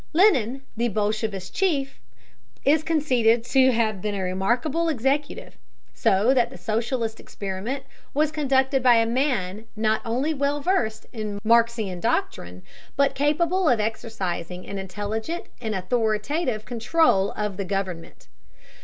Lenin, the bolshevist chief, is conceded to have been a remarkable executive, so that the socialist experiment was conducted by a man not only well versed in Marxian doctrine, but capable of exercising an intelligent and authoritative control of the government.